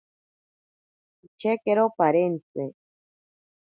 Pichekero parentsi.